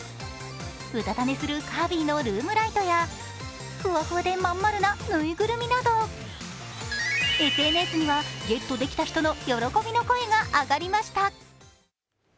うたた寝するカービィのルームライトやふわふわで、まんまるなぬいぐるみなど、ＳＮＳにはゲットできた人の喜びの声が上がりました。